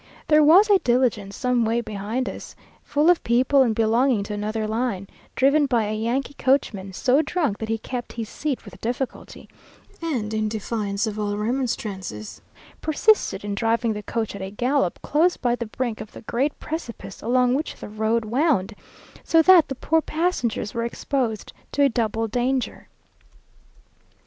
There was a diligence some way behind us, full of people, and belonging to another line; driven by a Yankee coachman, so drunk that he kept his seat with difficulty, and, in defiance of all remonstrances, persisted in driving the coach at a gallop close by the brink of the great precipice along which the road wound; so that the poor passengers were exposed to a double danger.